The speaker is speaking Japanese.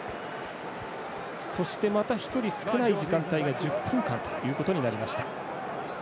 そしてまた１人少ない時間帯が１０分間となりました。